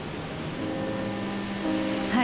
はい。